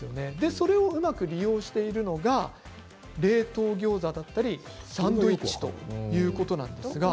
それをうまく利用しているのが冷凍ギョーザやサンドイッチということなんです。